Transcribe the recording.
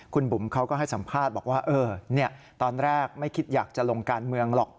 คุณบุ๋มเขาก็ให้สัมภาษณ์บอกว่าตอนแรกไม่คิดอยากจะลงการเมืองหรอก